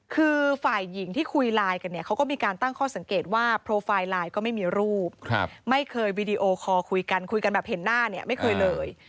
คือฝ่ายหญิงที่คุยไลน์กันเนี่ยเขาก็มีการตั้งข้อสังเกตว่าโปรไฟล์ไลน์ก็ไม่มีรูปไม่เคยวีดีโอคอลคุยกันคุยกันแบบเห็นหน้าเนี่ยไม่เคยเลย